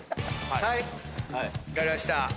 はい分かりました。